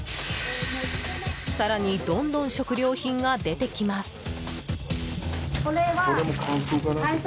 更に、どんどん食料品が出てきます。